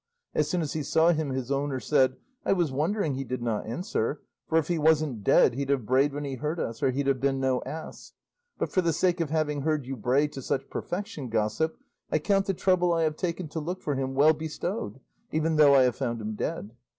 As soon as he saw him his owner said, 'I was wondering he did not answer, for if he wasn't dead he'd have brayed when he heard us, or he'd have been no ass; but for the sake of having heard you bray to such perfection, gossip, I count the trouble I have taken to look for him well bestowed, even though I have found him dead.